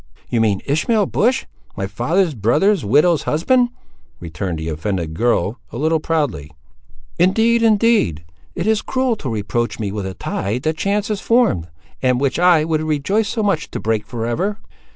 "You mean Ishmael Bush, my father's brother's widow's husband," returned the offended girl, a little proudly.—"Indeed, indeed, it is cruel to reproach me with a tie that chance has formed, and which I would rejoice so much to break for ever!"